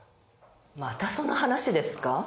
またその話ですか？